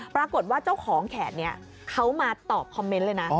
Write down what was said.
ปรากฏว่าเจ้าของแขนนี้เขามาตอบคอมเมนต์เลยนะ